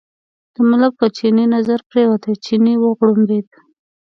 د ملک په چیني نظر پرېوت، چیني وغړمبېد.